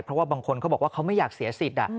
เพราะว่าบางคนเขาบอกว่าเขาไม่อยากเสียสิทธิ์